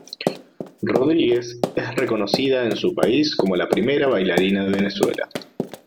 Rodríguez es reconocida en su país como la Primera Bailarina de Venezuela.